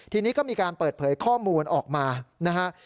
ทีนี้ก็มีการเปิดเผยข้อมูลออกมานะฮะ